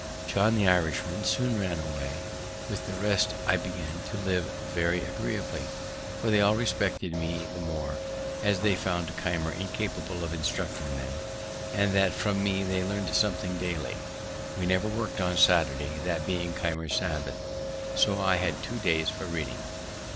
John, the Irishman, soon ran away; with the rest I began to live very agreeably, for they all respected me the more, as they found Keimer incapable of instructing them, and that from me they learned something daily. We never worked on Saturday, that being Keimer's Sabbath, so I had two days for reading.